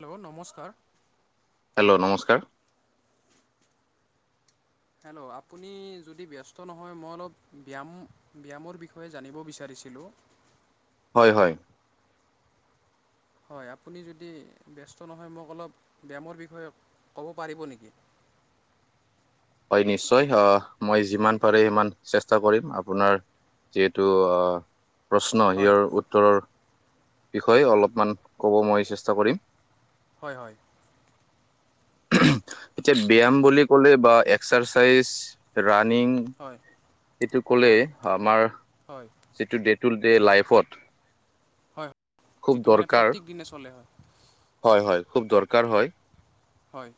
Hello নমস্কাৰ hello নমস্কাৰ hello আপুনি যদি ব্যস্ত নহয় মই অলপ ব্যয়াম ব্যয়ামৰ বিষয়ে জানিব বিচাৰি ছিলোঁ হয় হয় হয় আপুনি যদি ব্যস্ত নহয় মোক অলপ ব্যায়ামৰ বিষয়ে ক'ব পাৰিব নেকি? [inaudible] হয় নিশ্চয় অ মই যিমান পাৰি সিমান চেষ্টা কৰিম আপোনাৰ, যিহেতু আহ প্ৰশ্ন হয় ইৰ উত্তৰৰ বিষয়ে অলপমান ক'ব মই চেষ্টা কৰিম হয় হয় ব্যায়াম বুলি কলে বা এক্সাৰচাইজ ৰা নিং হয় টো কলে হয় আমাৰ হয় যিটো দেট টুল ডে' লাইফত হয় খুব যিটো মানে দৰকাৰ প্ৰত্যেক দিনে চলে হয় হয় হয় খুব দৰকাৰ হয় হয়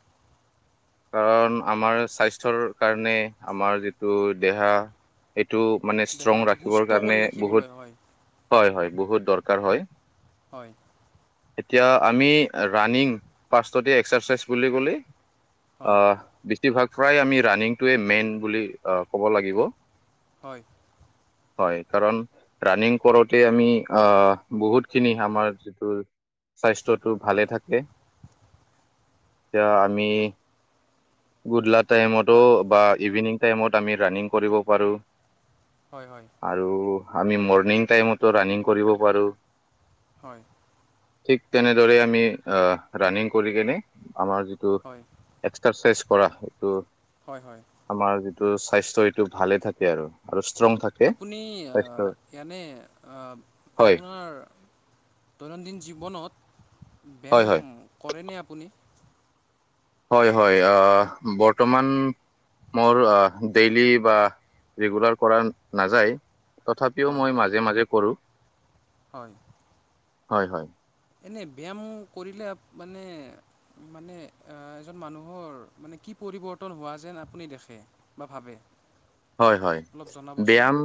কাৰণ আমাৰ স্বাস্থ্যৰ কাৰণে আমাৰ যিটো দেহা হেত টো মানে ষ্ট্ৰং দেহাটো ৰাখিবৰ সুস্থ কৰি কাৰণে ৰাখিবলৈ বহুত হয় হয় হয় বহুত দৰকাৰ হয় হয় এতিয়া আমি ৰানিং ফাৰ্ষ্টতে এক্সাৰচাইজ বুলি ক'লে হয় আহ বেছিভাগ প্ৰায় আমি ৰানিঙটোৱে মেইন বুলি আহ ক'ব লাগিব হয় হয় কাৰণ ৰানিং কৰোতে আমি আহ বহুতখিনি আমাৰ যিটো স্বাস্থ্যত টো ভালে হয় থাকে এতিয়া আমি গুড লাক টাইমতো হয় হয় বা ইভিনিং টাইমত আমি ৰানিং কৰিব পাৰোঁ হয় আৰু আমি মৰ্ণিং টাইমতো ৰাণিং কৰিব পাৰোঁ হয় ঠিক তেনেদৰে আমি আহ ৰাণিং কৰি কেনে আমাৰ যিটো হয় চেছ কৰা সেইটো হয় হয় ত স্বাস্থ্য এইটো ভালে থাকে আৰু আৰু ষ্ট্ৰং থাকে আপুনি স্বাস্থ্য ইনে আ হয় আপোনাৰ দৈনন্দিন জীৱনত হয় ব্যায়াম হয় কৰেনে আপুনি হয় হয় আঁ বৰ্তমান মোৰ ডেইলি বা ৰেগুলাৰ কৰা নাযায় তথাপিও হয় মই মাজে মাজে কৰোঁ হয় হয় হয় এনে ব্যায়াম কৰিলে মানে মানে এজন মানুহৰ মানে কি পৰিৱৰ্তন হোৱা যেন আপুনি দেখে বা ভাবে? হয় হয় অলপ জনাবচোন ব্যায়াম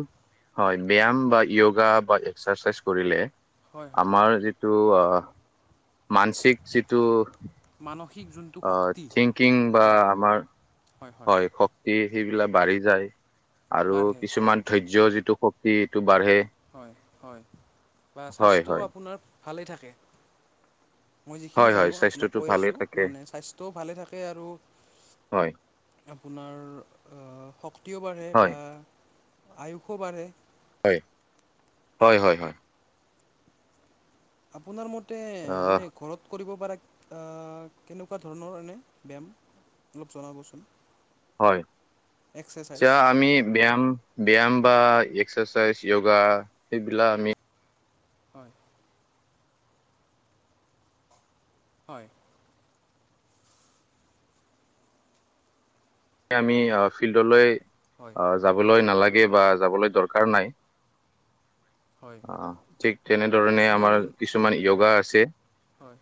হয় ব্যায়াম বা য়োগা বা এক্সাৰচাইজ কৰিলে হয় হয় আমাৰ যিটো আহ মানসিক যিটো মানুহ অ থিংকিং বা আমাৰ হয় শক্তি সেইবিলাক বাঢ়ি যায়। আৰু বাঢ়ে হয় কিছুমান ধৈৰ্য যিটো শক্তি এইটো বাঢ়ে হয় হয় বা হয় স্বাস্থ্য হয় আপোনাৰ ভালেই থাকে। মই যিখিনি হয় হয় জানো আপোনাক স্বাস্থ্যটো কৈ ভালে আছোঁ থাকে মানে স্বাস্থ্যও ভালে থাকে আৰু হয় আপোনাৰ আ শক্তিও বাঢ়ে হয় বা আয়ুসো বাঢ়ে হয় হয় হয় হয় আপোনাৰ মতে আহ এনে ঘৰত কৰিব পৰা আ কেনেকোৱা ধৰণৰ এনে ব্যায়াম অলপ জনাবচোন হয় এক্সাৰচাইজ এতিয়া আমি ব্যায়াম ব্যায়াম বা এক্সাৰচাইজ য়োগা সেইবিলাক আমি হয় হয়। আমি ফিল্ডলৈ হয় আ যাবলৈ নালাগে বা যাবলৈ দৰকাৰ নাই হয় অহ ঠিক তেনেধৰণে কিছুমান আমাৰ কিছুমান ইয়গা আছে হয়।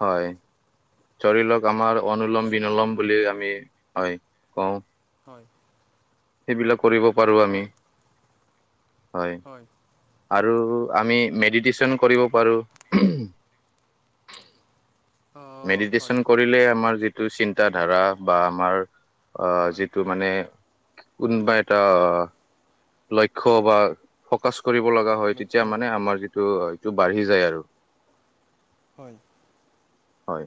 হয়। ধৰিলক আমাৰ অনুলম কিছুমান বিনুলম বুলি আমি হয় কওঁ হয় সেইবিলাক কৰিব পাৰোঁ হয় আমি। হয় আৰু আমি মেডিটেশ্যন কৰিব পাৰো। অ হয় মেডিটেশ্যন কৰিলে আমাৰ যিটো চিন্তা ধাৰা বা আমাৰ আহ হয় যিটো মানে কোনোবা এটা লক্ষ্য বা ফকাচ কৰিব লগা হয় তেতিয়া লক্ষ্য মানে আমাৰ যিটো বাঢ়ি যায় আৰু হয়। হয়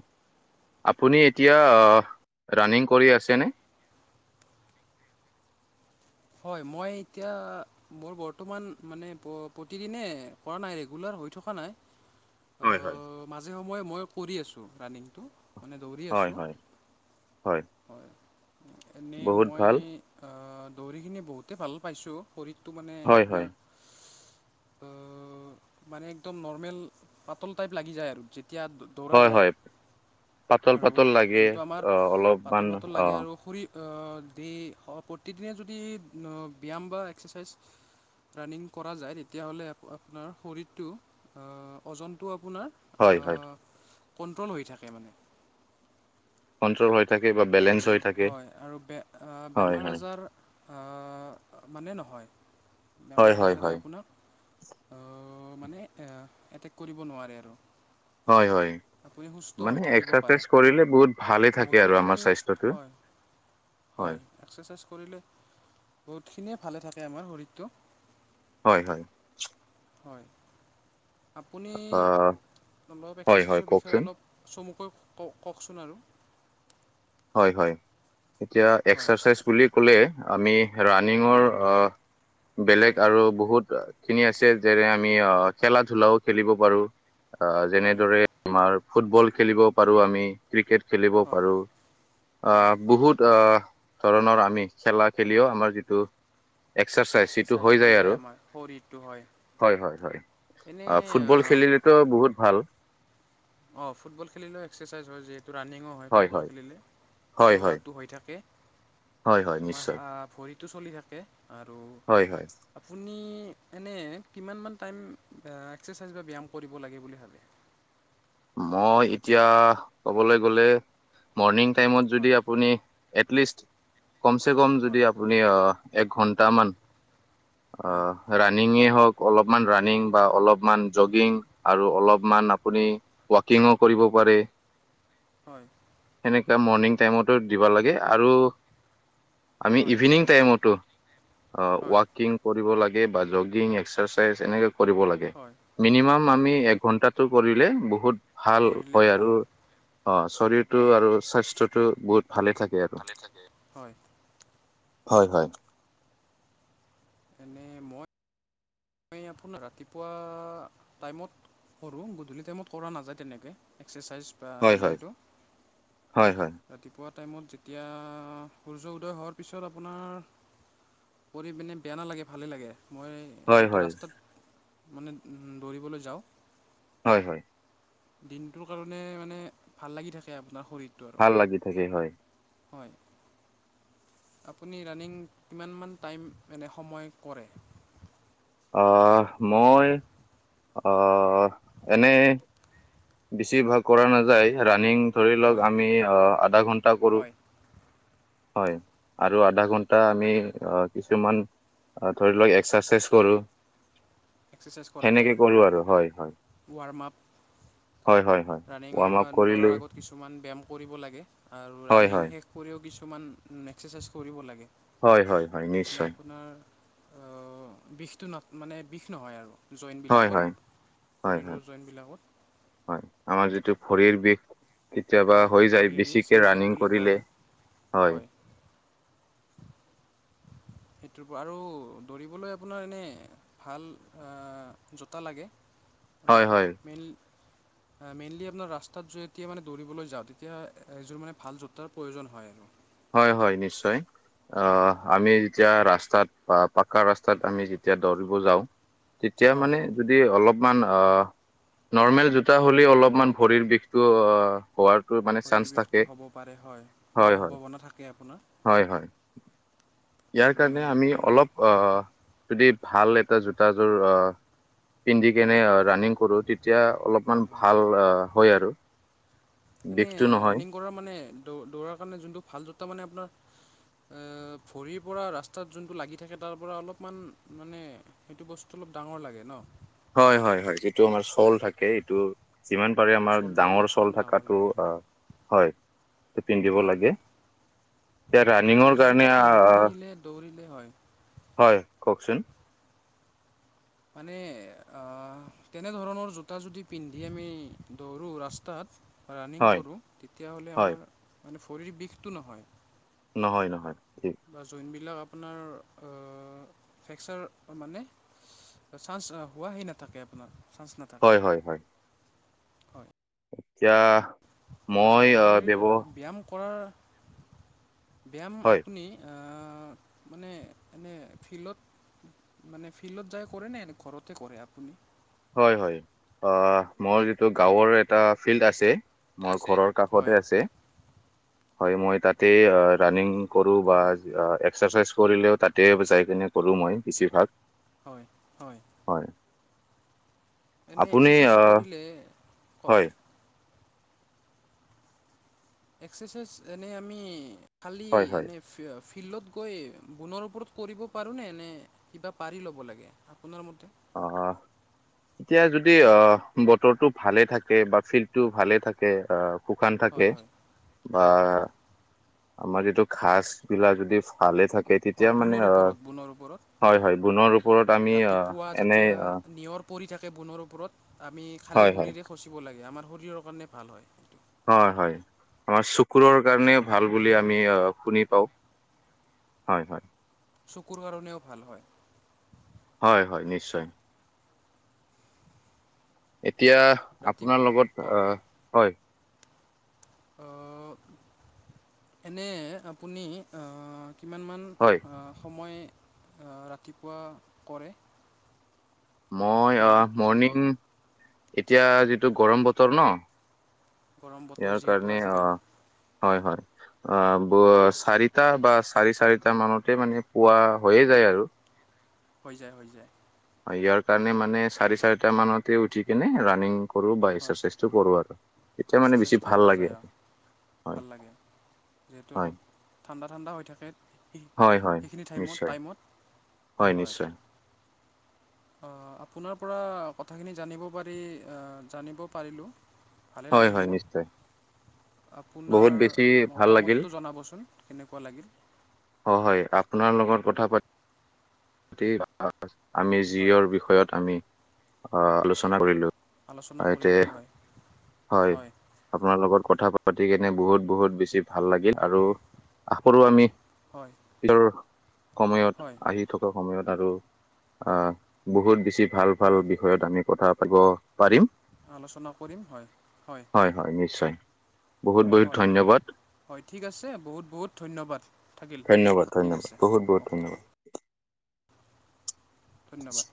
আপুনি এতিয়া ৰানিং কৰি আছেনে [inaudible] হয় মই এতিয়া মোৰ বৰ্তমান মানে প্ৰতিদিনে কৰা নাই ৰেগুলাৰ হৈ থকা নাই ত হয় হয়। মাজে সময়ে মই কৰি আছো ৰাণিংটো মানে দৌৰি হয় আছো হয় হয় এনেই বহুত মই ভাল আ দৌৰিকিনি বহুতেই ভাল পাইছো শৰীৰটো মানে হয় হয় আপোনাৰ অ মানে একদম নৰ্মেল পাতল টাইপ লাগি যায় আৰু তেতিয়া দৌৰা হয় যায়। হয় পাতল আৰু পাতল লাগে যোনটো অহ অলপমান অহ দেই প্ৰতিদিনে যদি ব্যায়াম বা এক্সাৰচাইজ ৰাণিং কৰা যায় তেতিয়াহ'লে আপোনাৰ শৰীৰটো অ উজনতো আক আপোনাৰ আ হয় হয় কণ্ট্ৰল হৈ থাকে মানে। সঞ্চৰ হয় আৰু হয় আৰু হয় বেমাৰ হয় আজাৰ আ মানে নহয় হয় বেমাৰ হয় আজাৰে হয় আপোনাক অ মানে এটেক কৰিব নোৱাৰে আৰু হয় হয় আপুনি সুস্থ হৈ মানে থাকিব এক্সাৰচাইজ পাৰে কৰিলে বহুত ভালে থাকে আৰু আমাৰ বহুতোখিনি স্বাস্থ্যটো হয় হয় এক্সাৰচাইজ কৰিলে বহুতখিনিয়ে ভালে থাকে আমাৰ শৰীৰটো হয় হয়। হয় আপুনি আহ অলপ হয় হয় এক্সাৰচাইজৰ বিষয়ে কওকচোন অলপ চমু কৈ ক কওঁকচোন আৰু হয় হয় এতিয়া হয় এক্সাৰচাইজ বুলি ক'লে আমি ৰানিঙৰ আ বেলেগ হয় আৰু বহুত খিনি আছে যেনে আমি খেলা ধূলাও খেলিব পাৰোঁ আহ হয় যেনেদৰে আমাৰ ফুটবল খেলিব পাৰোঁ আমি ক্ৰিকেট খেলিব হয় পাৰোঁ হয় আহ বহুত ধৰণৰ আমি খেলা খেলিও আমাৰ যিটো এক্সাৰচাইজ সেইটো হৈ যায় আৰু হয় হয় হয় এনে অ ফুটবল খেলিলেতো বহুত ভাল। অঁ ফুটবল খেলিলেও এক্সাৰচাইজ হয় যিহেতু ৰাণিঙো হয় ফুটবল খেলিলে হয় হয় দৌৰাটো হৈ থাকে। হয় হয় তোমাৰ নিশ্চয় আহ ভৰিটো চলি থাকে। আৰু হয় হয় আপুনি এনে কিমান মান টাইম আ এক্সাৰচাইজ বা ব্যায়াম কৰিব লাগে বুলি ভাবে মই এতিয়া ক'বলৈ গ'লে মৰ্ণিং টাইমত যদি হয় আপুনি এটলিষ্ট কমচে কম যদি হয় আপুনি এক ঘণ্টামান অ হয় ৰাণিঙে হওক। অলপমান ৰাণিং বা অলপমান জগিং আৰু অলপমান আপুনি হয় কিঙো কৰিব পাৰে হয়। তেনে মৰ্ণিং টাইমতো দিব লাগে আৰু আমি হয় ইভিনিং টাইমতো অ হয় ৱাকিং কৰিব লাগে বা জগিং এক্সাৰচাইজ এনেকে কৰিব লাগে হয় মিনিমাম হয় আমি এঘন্টাটো কৰিলে বহুত ভাল কৰিলে হয় ভাল আৰু অ শৰীৰটো হয় আৰু স্বাস্থ্যটো বহুত ভালে থাকে আৰু ভালে থাকে হয়। হয় হয়। এনে মই মই আপোনাৰ ৰাতিপুৱা টাইমত কৰোঁ গধূলি টাইমত কৰা নাযায় তেনেকে এক্সাৰচাইজ বা হয় হয় ৰাণিংটো হয় ৰাতিপুৱা টাইমত যেতিয়া সূৰ্য উদয় হোৱাৰ পিছত আপোনাৰ কৰি কিনি বেয়া নালাগে ভালেই লাগে। মই হয় হয় যিহেতু হয় ৰাস্তাত মানে দৌৰিবলৈ যাওঁ। হয় হয়। দিনটোৰ কাৰণে মানে ভাল লাগি থাকে আপোনাক ভাল লাগি থাকে হয়। হয়। আপুনি ৰানিং কিমান মান টাইম মানে সময় কৰে। আ মই এনে বেছিভাগ কৰা নাযায় ৰানিং ধৰি লওঁক হয় আমি আ আধা ঘণ্টা কৰোঁ হয় হয় আৰু আধা ঘণ্টা আমি কিছুমান আৰু ধৰি লওক এক্সাৰচাইজ কৰোঁ। এক্সাৰচাইজ কৰা যায় সেনেকে কৰোঁ আৰু হয় হয়। ৱাৰ্ম আপ হয় হয় হয় ৱাৰ্ম আপ ৰানিঙৰ কৰিলো দৌৰাৰ আগত কিছুমান ব্যায়াম কৰিব লাগে আৰু হয় ৰাণিং হয় শেষ কৰিও কিছু কিছুমান এক্সাৰচাইজ কৰিব লাগে। হয় হয় হয় নিশ্চয়। অ বিষটো ন মানে বিষ নহয় আৰু। হয় হয় জইণ্টবিলাকত হয় হয় শৰীৰৰ হয় জইণ্টবিলাকত। আমাৰ যিটো ভৰিৰ বিষ। কেতিয়াবা হয় হয় হৈ যায় ভৰিৰ বিষ বেছিকে চিন পেইন ৰাণিং বুলি কোৱা কৰিলে হয় হয়। [inaudible] সেইটোৰ পৰা আৰু দৌৰিবলৈ আপোনাৰ এনে ভাল অ জোতা লাগে। ৰ হয় হয় মিল মেইনলি আপোনাৰ ৰাস্তাত যে যেতিয়া মানে দৌৰিবলৈ যাওঁ তেতিয়া এইযোৰ মানে ভাল জোতাৰ প্ৰয়োজন হয় আৰু। হয় হয় নিশ্চয় হয় আহ আমি যেতিয়া ৰাস্তাত বা পাককা ৰাস্তাত আমি যেতিয়া দৌৰিব যাওঁ। তেতিয়া হয় মানে যদি অলপ মান আ নৰ্মেল জোতা হ'লে অলপমান ভৰিৰ বিষটো অ হোৱাৰ শৰীৰ বিষটো হ'ব পাৰে হয় হয় পোৱাৰ হয় সম্ভাৱনা থাকে আপোনাৰ। হয় হয় ইয়াৰ এনে কাৰণে আমি অলপমান অলপ আহ যদি ভাল এটা জোতাযোৰ আহ পিন্ধি হয় কেনে ৰাণিং কৰোঁ তেতিয়া হয় অলপমান হয় ভাল হয় আৰু। এনে বিষটো নহয় ৰানিং কৰাৰ মানে দৌ দৌৰাৰ কাৰণে যোনটো ভাল জতা মানে আপোনাৰ [inaudible] অ ভৰিৰ পৰা ৰাস্তাত যোনটো লাগি থাকে তাৰ পৰা অলপমান মানে সেইটো বস্তু অলপ ডাঙৰ লাগে ন। হয় হয় হয় যিটো আমাৰ চল থাকে এইটো যিমান পাৰে আমাৰ চ'লটো ডাঙৰ অলপমান চল ডাঙৰ থকাটো লাগে হয়। পিন্ধিব হয় লাগে। এতিয়া ৰানিংৰ সেইযোৰ জোতা কাৰণে আ পিন্ধিলে দৌৰিলে হয় হয়। কওকচোন। মানে আহ তেনেধৰণৰ জোতা যদি পিন্ধি আমি দৌৰোঁ ৰাস্তাত। বা ৰানিং হয় কৰোঁ তেতিয়াহ'লে হয় আমাৰ মানে ভৰিৰ বিষটো নহয়। নহয় নহয়। ঠিক বা জইন বিলাক আপোনাৰ অ ফ্ৰেকচাৰ মানে চান্স হোৱাহে নাথাকে আপোনাৰ। চান্স নাথাকে হয় হয় হয়। হয়। এতিয়া মই আহ শৰীৰ ব্যৱ ব্যায়াম কৰাৰ ব্যায়াম হয় আপুনি [inaudible] এনে এনে ফিল্ডত মানে ফিল্ডত যায় কৰে নে ঘৰতে কৰে আপুনি? হয় হয় মোৰ যিটো গাঁৱৰ এটা ফিল্ড আছে মোৰ আছে। ঘৰৰ কাষতে হয় আছে হয় মই তাতে ৰাণিং কৰোঁ বা হয় এক্সাৰচাইজ কৰিলেও তাতে যাই কিনে কৰোঁ মই বেছিভাগ। হয় হয়। এনেই আপুনি এক্সাৰচাইজ আহ কৰিলে হয় কওক এক্সাৰচাইজ এনে আমি খালি হয় হয় এনে ফিঅ ফি ফিল্ডত গৈ বুনৰ ওপৰত কৰিব পাৰোঁনে নে কিবা পাৰি ল'ব লাগে আপোনাৰ মতে। অ অ এতিয়া যদি আহ বতৰটো ভালে থাকে বা ফিল্ডটো ভালে থাকে আহ শুকান থাকে হয় হয় বা হয় হয় আমাৰ যিটো ঘাচবিলাক যদি ভালে থাকে। কে হয় তেতিয়া মানে বুনৰ অ ওপৰত বুনৰ ওপৰত হয় হয় গুণৰ ওপৰত আমি অ এনে এতিয়া অ', নিয়ৰ পৰি থাকে বুণৰ ওপৰত আমি খালী হয়, হয়, ভৰিৰে খচিব লাগে আমাৰ শৰীৰৰ কাৰণে ভাল হয় সেইটো হয় হয় আমাৰ চকুৰৰ কাৰণেও ভাল বুলি আমি অ শুনি পাওঁ। হয় হয়। চকুৰ কাৰণেও ভাল হয়। হয় হয় নিশ্চয়। এতিয়া ৰাতি আপোনাৰ লগত অ হয়। অ' এনে আপুনি অ। কিমানমান অ হয় সময় অ ৰাতিপুৱা কৰে। মই অ ব্যায়াম মৰ্ণিং এতিয়া যিটো গৰম বতৰ ন। গৰম ইয়াৰ বতৰ যিহেতু কাৰণে অ', আজিকালি। হয় হয়। অ ব চাৰিটা বা চাৰি চাৰিটা মানতে মানে পোৱা হৈয়ে যায় আৰু। [inaudible] হৈ যায় হৈ যায়। ইয়াৰ কাৰণে মানে চাৰি চাৰিটা মানতে উঠি কেনে ৰানিং কৰো বা হয় এক্সাৰচাইজটো কৰো আৰু। তেতিয়া মানে বেছি এক্সাৰচাইজটো ভাল কৰা লাগে যায় অ আৰু। হয় ভাল লাগে যিহেতু হয় অলপ ঠান- বা ঠাণ্ডা হৈ থাকে। সেই- হয় হয় সেইখিনি টাইমত নিশ্চয় টাইমত হয় নিশ্চয়। অ আপোনাৰ পৰা কথাখিনি জানিব পাৰি এ জানিব পাৰিলোঁ। ভালেই হয় লাগিল হয় মোৰ নিশ্চয়। বহুত আপোনাৰ বেছি ভাল লাগিল মতামতটো জনাবচোন কেনেকুৱা লাগিল। হয় হয় আপ- আপোনাৰ লগত কথা পাতি আমি ৰাতি হয় যিয়ৰ বিষয়ত আমি। আ আলোচনা কৰিলোঁ। আলোচনা কৰিলোঁ হয়। হয় আপোনাৰ লগত কথা পাত- গতিকেনে বহুত বহুত বেছি ভাল লাগিল আৰু আশা কৰোঁ আমি হয় ইয়ৰ সময়ত হয় আহি থকা সময়ত। আৰু আ বহুত বেছি ভাল হয় ভাল বিষয়ত আমি কথা পাতিব পাৰিম। আলোচনা কৰিম হয় হয়। বহুত বহুত হয় ধন্যবাদ হয় ঠিক আছে বহুত বহুত ধন্যবাদ। থাকিল ধন্যবাদ ঠিক ধন্যবাদ আছে বহুত বহুত অ'কে ধন্যবাদ। ধন্যবাদ।